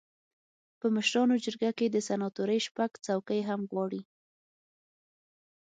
په مشرانو جرګه کې د سناتورۍ شپږ څوکۍ هم غواړي.